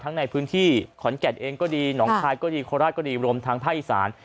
ในพื้นที่ขอนแก่นเองก็ดีหนองคายก็ดีโคราชก็ดีรวมทางภาคอีสาน